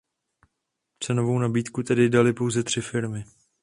Cenovou nabídku tedy daly pouze tři firmy.